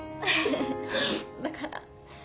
だから。